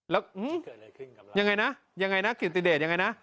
แล้วยังไงนะยังไงนะกิติเดชยังไงนะ